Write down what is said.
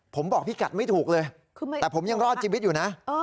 ผมบอกพี่กัดไม่ถูกเลยแต่ผมยังรอดชีวิตอยู่นะ